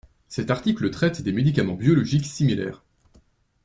Cet article traite des médicaments biologiques similaires.